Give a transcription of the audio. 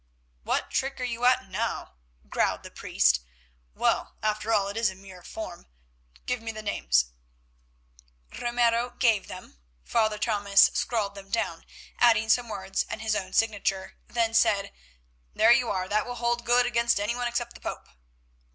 "What trick are you at now?" growled the priest. "Well, after all it is a mere form. Give me the names." Ramiro gave them; Father Thomas scrawled them down, adding some words and his own signature, then said, "There you are, that will hold good against anyone except the Pope."